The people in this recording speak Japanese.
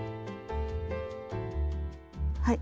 はい。